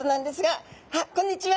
あっこんにちは。